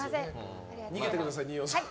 逃げてください、二葉さん。